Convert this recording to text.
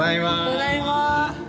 ただいま。